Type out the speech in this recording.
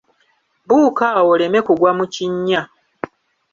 Buuka awo oleme kugwa mu kinnya!